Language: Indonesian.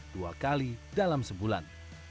dua kali dalam sebulan